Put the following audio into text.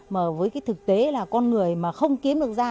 mà với cái thực tế là con người mà không kiếm được ra